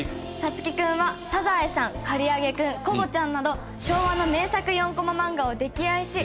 颯喜君は『サザエさん』『かりあげクン』『コボちゃん』など昭和の名作４コマ漫画を溺愛し